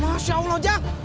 masya allah jak